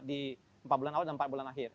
di empat bulan awal dan empat bulan akhir